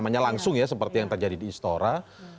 namanya langsung ya seperti yang terjadi di istora